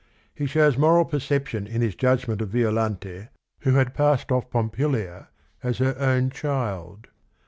He shows moral perception in his judgment of Violante who had passed off Pompilia as her own child.